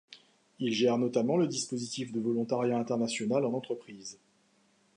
Il gère notamment le dispositif de Volontariat International en entreprise.